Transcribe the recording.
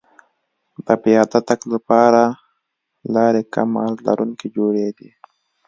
د پیاده تګ لپاره لارې کم عرض لرونکې جوړېدې